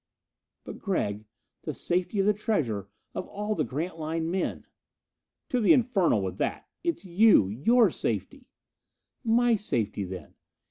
"But Gregg the safety of the treasure of all the Grantline men...." "To the infernal with that! It's you your safety." "My safety, then!